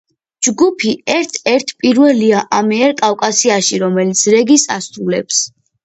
ჯგუფი ერთ-ერთ პირველია ამიერკავკასიაში, რომელიც რეგის ასრულებს.